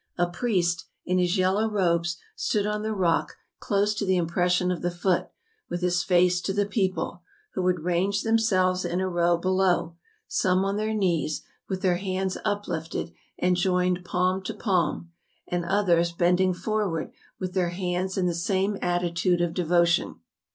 A priest, in his yellow robes, stood on the rock close to the impression of the foot, with his face to the people, who had ranged themselves in a row below, some on their knees, with their hands uplifted and joined palm to palm, and others bending forward with their hands in the same attitude of devotion.